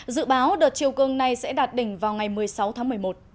dự báo đợt chiều cương này sẽ đạt đỉnh vào ngày một mươi sáu tháng một mươi một